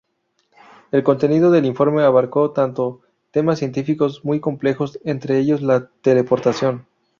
El contenido del informe abarca tanto temas científicos muy complejos, entre ellos la teleportación.